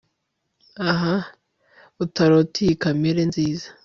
ah! utarota iyi kamere nziza